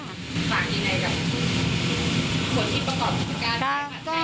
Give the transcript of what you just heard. ฝากยังไงกับขวดที่ประกอบศึกษาการ